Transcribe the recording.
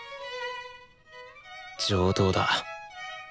上等だ。